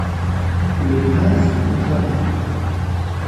Le prince est contrarié.